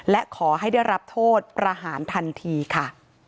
และขอให้ได้รับโทษประหารทันทีค่ะ